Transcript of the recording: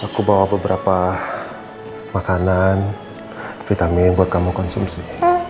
aku bawa beberapa makanan vitamin buat kamu konsumsi